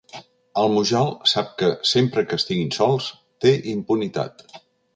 El Mujal sap que, sempre que estiguin sols, té impunitat.